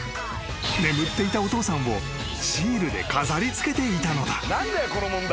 眠っていたお父さんをシールで飾りつけていたのだ］